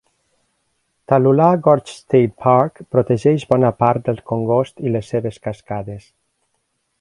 Tallulah Gorge State Park protegeix bona part del congost i les seves cascades.